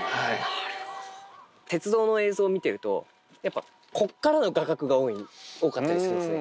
鉄道の映像を見てると、やっぱ、こっからの画角が多かったりするんですね。